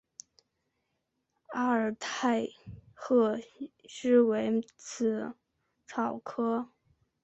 阿尔泰鹤虱为紫草科鹤虱属天山鹤虱的变种。